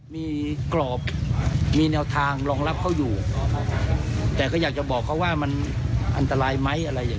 มีกรอบมีแนวทางรองรับเขาอยู่แต่ก็อยากจะบอกเขาว่ามันอันตรายไหมอะไรอย่าง